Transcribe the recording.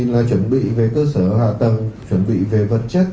là chuẩn bị về cơ sở hạ tầng chuẩn bị về vật chất